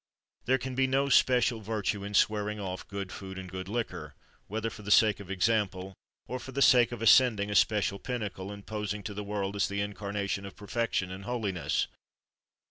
There can be no special virtue in "swearing off" good food and good liquor; whether for the sake of example, or for the sake of ascending a special pinnacle and posing to the world as the incarnation of perfection and holiness.